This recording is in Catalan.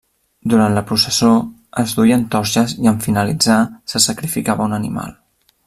Durant la processó es duien torxes i en finalitzar se sacrificava un animal.